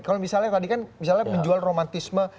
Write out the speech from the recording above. kalau misalnya tadi kan misalnya menjual romantisme